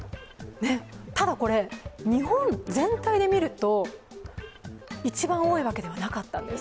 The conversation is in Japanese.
ただ、これ、日本全体で見ると一番多いわけではなかったんです。